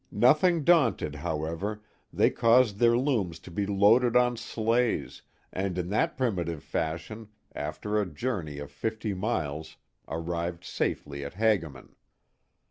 Nothing daunted, however, they caused their looms to be loaded on sleighs and in that primitive fashion, after a journey of fifty miles, arrived safely at Hagaman.